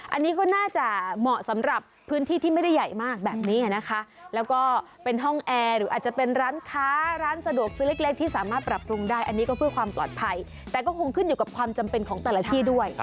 อันนี้ก็น่าจะเหมาะสำหรับพื้นที่ที่ไม่ได้ใหญ่มากแบบนี้นะคะแล้วก็เป็นห้องแอร์หรืออาจจะเป็นร้านค้าร้านสะดวกซื้อเล็กที่สามารถปรับปรุงได้อันนี้ก็เพื่อความปลอดภัยแต่ก็คงขึ้นอยู่กับความจำเป็นของแต่ละที่ด้วย